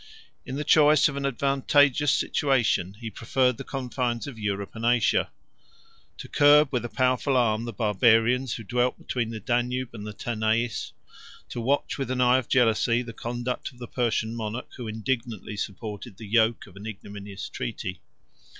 In the choice of an advantageous situation, he preferred the confines of Europe and Asia; to curb with a powerful arm the barbarians who dwelt between the Danube and the Tanais; to watch with an eye of jealousy the conduct of the Persian monarch, who indignantly supported the yoke of an ignominious treaty.